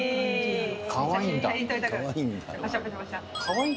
かわいい。